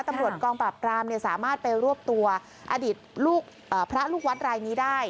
ตำรวจกองปราบรามสามารถไปรวบตัวอดีตลูกพระลูกวัดรายนี้ได้